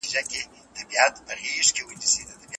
لور بايد پداسي حال کي په نکاح سي، چي هغه پوره راضي وي.